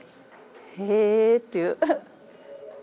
「へえ」っていう。